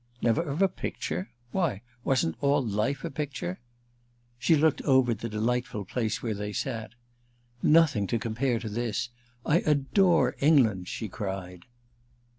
"Never of a picture? Why, wasn't all life a picture?" She looked over the delightful place where they sat. "Nothing to compare to this. I adore England!" she cried.